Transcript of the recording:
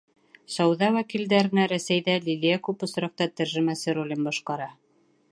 Сауҙа вәкилдәренә Рәсәйҙә Лилиә күп осраҡта тәржемәсе ролен башҡара.